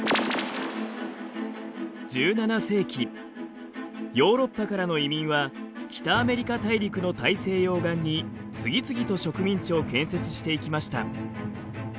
１７世紀ヨーロッパからの移民は北アメリカ大陸の大西洋岸に次々と植民地を建設していきました。